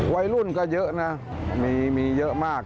วัยรุ่นก็เยอะนะมีเยอะมาก